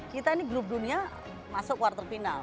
kita ini grup dunia masuk quarterfinal